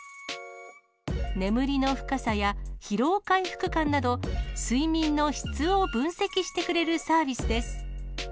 眠りの深さや疲労回復感など、睡眠の質を分析してくれるサービスです。